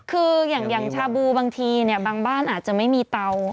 คืออย่างชาบูบางทีบางบ้านอาจจะไม่มีเตา